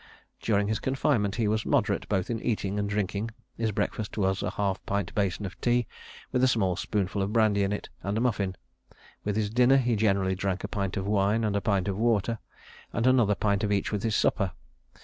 During his confinement he was moderate both in eating and drinking; his breakfast was a half pint basin of tea, with a small spoonful of brandy in it, and a muffin; with his dinner he generally drank a pint of wine and a pint of water, and another pint of each with his supper.